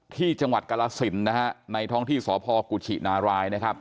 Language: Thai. ที่จังหวัดกรสินนะฮะในท้องที่สพกุชินารายนะครับ